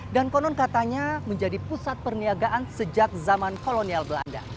dan konon katanya menjadi pusat perniagaan sejak zaman kolonial belanda